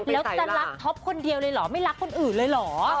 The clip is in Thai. แล้วจะรักท็อปคนเดียวเลยเหรอไม่รักคนอื่นเลยเหรอ